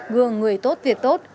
gương người tốt việc tốt